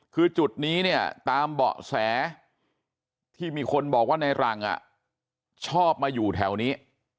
คือจุดนี้เนี่ยตามเบาะแสที่มีคนบอกว่าในรังชอบมาอยู่แถวนี้